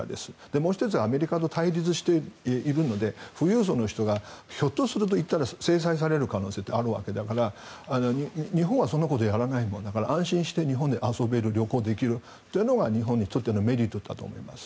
もう１つはアメリカと対立しているので富裕層の人がひょっとすると行ったら制裁される可能性があるわけだから日本はそんなことやらないから安心して日本で遊べる旅行できるというのが日本にとってのメリットだと思います。